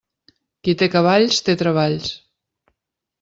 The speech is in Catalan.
Qui té cavalls, té treballs.